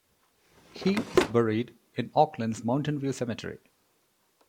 He is buried in Oakland's Mountain View Cemetery.